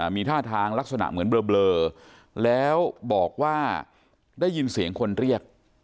มีท่าทางลักษณะเหมือนเบลอแล้วบอกว่าได้ยินเสียงคนเรียก